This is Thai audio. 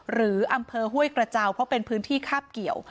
หรืออำเภอห้วยกระเจ้าเพราะเป็นพื้นที่คาบเกี่ยว